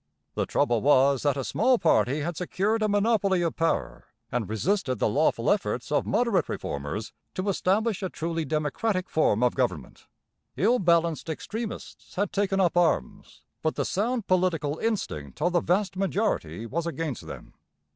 The trouble was that a small party had secured a monopoly of power and resisted the lawful efforts of moderate reformers to establish a truly democratic form of government. Ill balanced extremists had taken up arms; but the sound political instinct of the vast majority was against them.